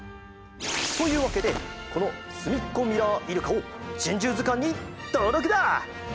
というわけでこのスミッコミラーイルカを「珍獣図鑑」にとうろくだ！